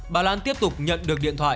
bà lan tiếp tục nhận được điện thoại